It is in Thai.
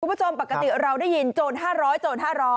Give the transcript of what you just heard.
คุณผู้ชมปกติเราได้ยินโจร๕๐๐โจร๕๐๐